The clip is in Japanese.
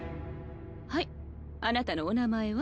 ・はいあなたのお名前は？